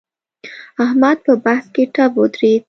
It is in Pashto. احمد په بحث کې ټپ ودرېد.